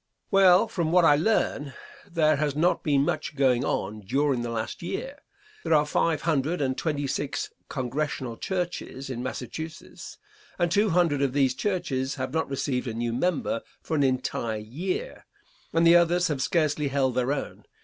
Answer. Well, from what little I learn, there has not been much going on during the last year. There are five hundred and twenty six Congregational Churches in Massachusetts, and two hundred of these churches have not received a new member for an entire year, and the others have scarcely held their own.